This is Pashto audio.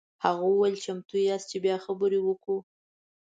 هغه وویل چمتو یاست چې بیا خبرې وکړو.